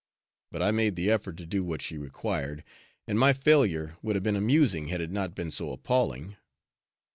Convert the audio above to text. But I made the effort to do what she required, and my failure would have been amusing had it not been so appalling.